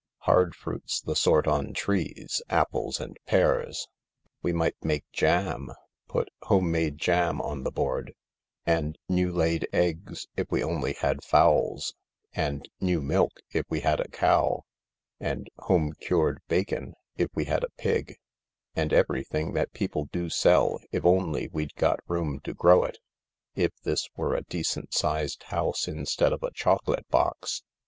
Hard fruit's the sort on trees — apples and pears. We might make jam, put ' Home Made Jam ' on the board," " And ' New Laid Eggs ' if we only had fowls." "And 'New Milk' if we had a cow." " And ' Home Cured Bacon ' if we had a pig." "And everything that people do sell if only we'd got room to grow it — if this were a decent sized house instead of a chocolate box."